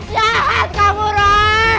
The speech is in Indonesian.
jahat kamu roy